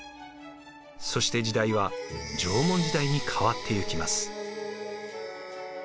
そして時代は縄文時代に変わっていきます。